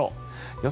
予想